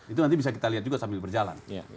itu nanti bisa kita lihat juga sambil berjalan